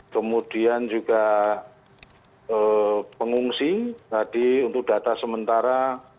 kemudian juga pengungsi tadi untuk data sementara